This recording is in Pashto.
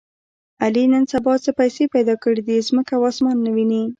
علي نن سبا څه پیسې پیدا کړې دي، ځمکه او اسمان نه ویني.